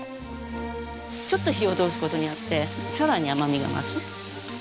ちょっと火を通す事によってさらに甘みが増す。